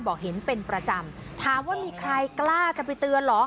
บอกเห็นเป็นประจำถามว่ามีใครกล้าจะไปเตือนเหรอ